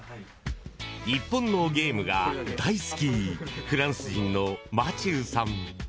日本のゲームが大好きフランス人のマチューさん